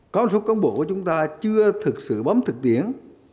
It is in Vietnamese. có một số con bộ của chúng ta chưa thực sự bấm thực tiễn